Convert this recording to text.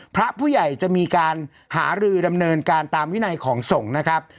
พระผู้ใหญ่จะมีการหารือดำเนินการตามวินัยของสงฆ์นะครับ